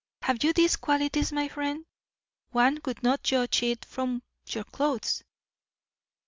Have you these qualities, my friend? One would not judge it from your clothes."